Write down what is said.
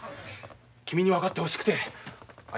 君に分かってほしくてああ